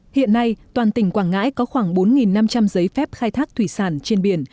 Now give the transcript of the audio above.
hiện nay toàn tỉnh quảng ngãi có khoảng bốn năm trăm linh giấy phép khai thác thủy sản trên biển